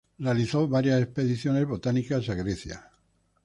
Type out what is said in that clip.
Realizó varias expediciones botánicas a Grecia.